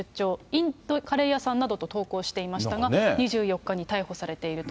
インドカレー屋さんなどと投稿していましたが、２４日に逮捕されていると。